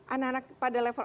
anak anak pada level